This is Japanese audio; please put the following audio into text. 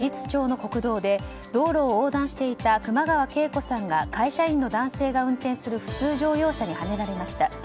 昨日午後１０時ごろ長崎県時津町の国道で道路を横断していた熊川惠子さんが会社員の男性が運転する普通乗用車にはねられました。